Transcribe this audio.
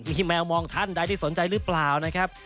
มีแมวมองท่านใดที่สนใจหรือเปล่านะครับ